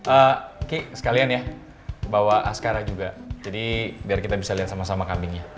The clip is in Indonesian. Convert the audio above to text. aki sekalian ya bawa askara juga jadi biar kita bisa lihat sama sama kambingnya